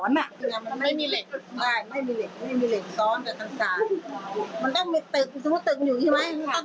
ไม่มีเหล็กไม่มีเหล็กซ้อนแต่กันซานมันต้องมีตึก